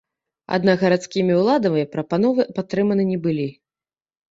Аднак гарадскімі ўладамі прапановы падтрыманы не былі.